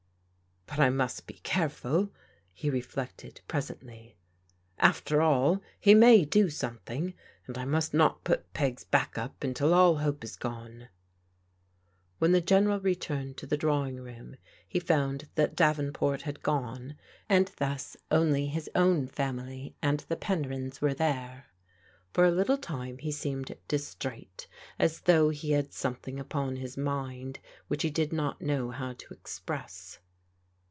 "But I must be careful," he reflected presently. "After all, he may do something, and I must not put Peg's back up until all hope is gone." When the General returned to the drawing room he found that Davenport had gone, and thus only his own family and the Penryns were there. For a little time he seemed distrait, as though he had something upon his mind which he did not know how to express.